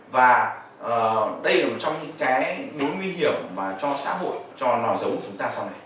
và đây là một trong những cái nỗi nguy hiểm mà cho xã hội cho nò giống chúng ta sau này